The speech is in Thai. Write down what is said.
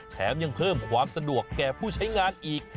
แถมยังเพิ่มความสะดวกแก่ผู้ใช้งานอีก